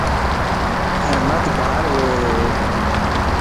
احمد بار ويووَ